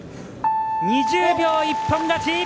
２０秒一本勝ち。